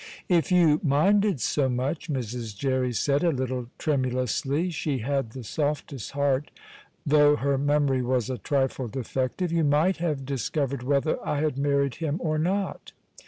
"If you minded so much," Mrs. Jerry said, a little tremulously (she had the softest heart, though her memory was a trifle defective), "you might have discovered whether I had married him or not."